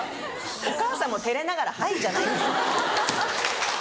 お母さんも照れながら「はい」じゃない。